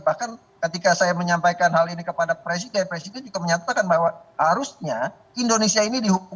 bahkan ketika saya menyampaikan hal ini kepada presiden presiden juga menyatakan bahwa harusnya indonesia ini dihukum